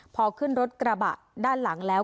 พอขึ้นรถกระบะด้านหลังแล้ว